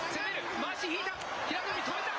まわし引いた、平戸海、止めた。